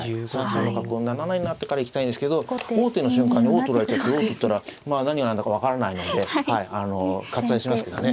３三の角を斜めに成ってから行きたいんですけど王手の瞬間に王取られちゃって王取ったらまあ何が何だか分からないので割愛しますけどね。